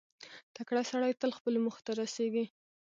• تکړه سړی تل خپلو موخو ته رسېږي.